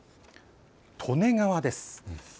利根川です。